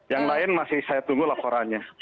yang lain masih saya tunggu laporannya